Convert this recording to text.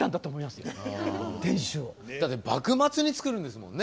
だって幕末に造るんですもんね。